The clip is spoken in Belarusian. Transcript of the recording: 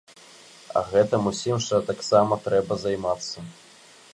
А гэтым усім жа таксама трэба займацца.